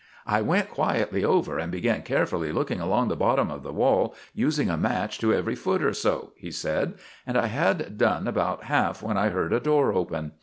"I went quietly over, and began carefully looking along the bottom of the wall, using a match to every foot or so," he said, "and I had done about half when I heard a door open.